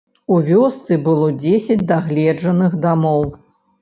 У вёсцы было дзесяць дагледжаных дамоў.